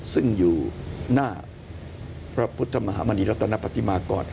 ซึ่งอยู่หน้าพระพุทธมหามณีรัตนปฏิมากร